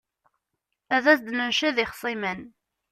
Ad s-d-nenced ixṣimen.